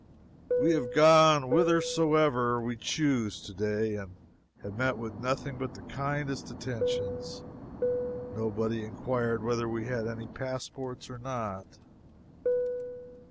We have gone whithersoever we chose, to day, and have met with nothing but the kindest attentions. Nobody inquired whether we had any passports or not.